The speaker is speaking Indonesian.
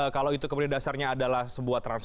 kalau itu kemudian dasarnya adalah sebuah transaksi